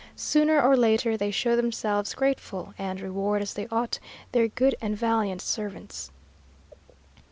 Sooner or later they show themselves grateful, and reward as they ought their good and valiant servants.